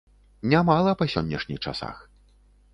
Нямала па сённяшніх часах.